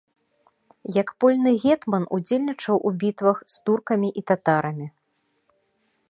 Як польны гетман удзельнічаў у бітвах з туркамі і татарамі.